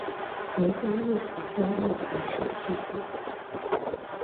刘备入蜀后为从事祭酒。